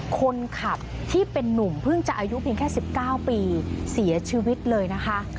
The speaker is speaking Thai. คนขับที่เป็นนุ่มเพิ่งจะอายุเพียงแค่๑๙ปีเสียชีวิตเลยนะคะ